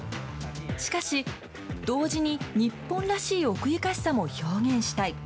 しかし、同時に日本らしい奥ゆかしさも表現したい。